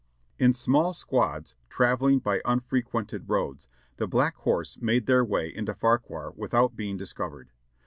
In small squads, traveling by unfrequented roads, the Black Horse made their way into Fauquier without being discovered.